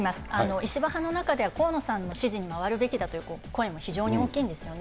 石破派の中では河野さんの支持に回るべきだという声も非常に大きいんですよね。